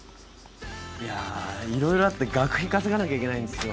いやぁ色々あって学費稼がなきゃいけないんですよ。